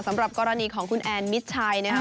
สำหรับกรณีของคุณแอนมิดชัยนะครับ